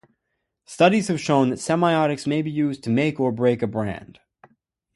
Studies have shown that semiotics may be used to make or break a brand.